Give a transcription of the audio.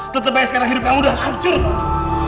tetep aja sekarang hidup kamu udah hancur pak